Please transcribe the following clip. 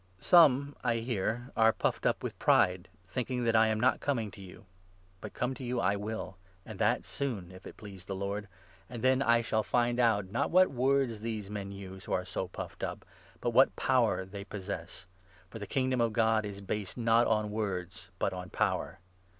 Some, I hear, are puffed up with pride, thinking that I am 18 not coming to you. But come to you I will, and that soon, if it 19 please the Lord ; and then I shall find out, not what words these men use who are so puffed up, but what power they possess ; for the Kingdom of God is based, not on words, but 20 on power.